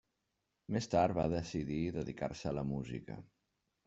Més tard va decidir dedicar-se a la música.